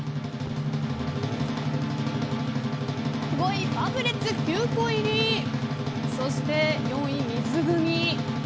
５位、バブレッツ９個入りそして４位、水グミ。